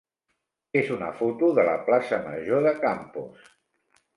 és una foto de la plaça major de Campos.